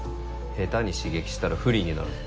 下手に刺激したら不利になるぞ。